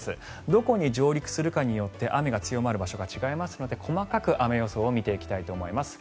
どこに上陸するかによって雨が強まる場所が違いますので、細かく雨予想を見ていきたいと思います。